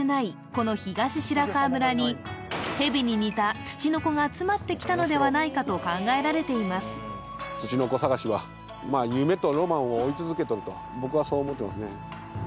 この東白川村にヘビに似たつちのこが集まってきたのではないかと考えられていますを追い続けとると僕はそう思ってますね